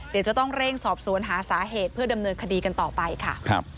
เดี๋ยวจะต้องเร่งสอบสวนหาสาเหตุเพื่อดำเนินคดีกันต่อไปค่ะ